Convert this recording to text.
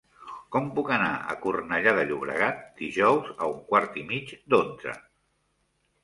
Com puc anar a Cornellà de Llobregat dijous a un quart i mig d'onze?